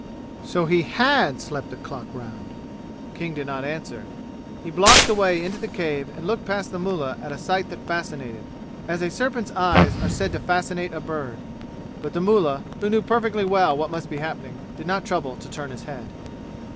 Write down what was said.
So he had slept the clock round! King did not answer. He blocked the way into the cave and looked past the mullah at a sight that fascinated, as a serpent's eyes are said to fascinate a bird. But the mullah, who knew perfectly well what must be happening, did not trouble to turn his head.